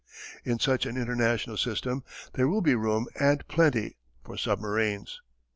In such an international system there will be room and plenty for submarines.